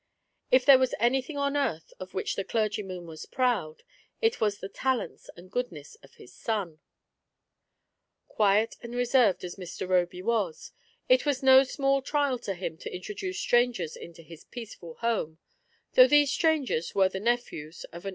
If there was anything on earth of which the clergyman was proud, it was the talents and goodness of his soa Quiet and reserved as Mr. Roby was, it was no small trial to him to introduce strangers into his peaceful home, though these strangers were the nephews of an THE ARRIVAL.